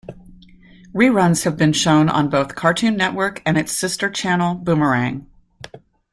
Reruns have been shown on both Cartoon Network and its sister channel Boomerang.